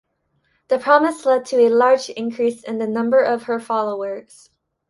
The promise led to a large increase in the number of her followers.